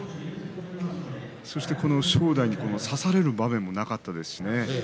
そして正代に差される場面もなかったですしね。